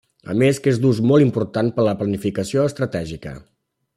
A més que és d'ús molt important per a la planificació estratègica.